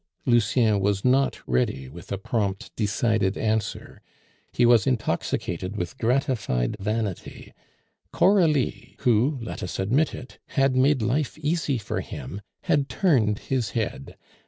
Lucien was not ready with a prompt, decided answer; he was intoxicated with gratified vanity; Coralie, who (let us admit it) had made life easy for him, had turned his head.